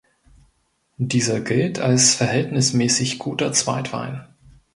Dieser gilt als verhältnismäßig guter Zweitwein.